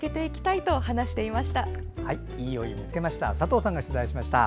「＃いいお湯見つけました」